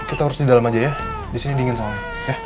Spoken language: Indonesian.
kita harus di dalam aja ya disini dingin soalnya